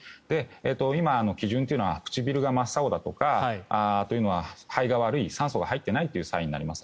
今、基準というのは唇が青いとかというのは肺が悪い、酸素が入っていないというサインになります。